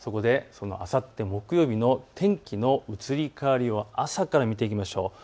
あさって木曜日の天気の移り変わり、朝から見ていきましょう。